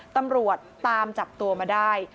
ตำรวจตามจับตัวมาได้